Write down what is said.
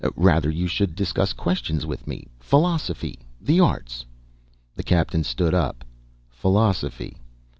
Rather you should discuss questions with me, philosophy, the arts " The Captain stood up. "Philosophy.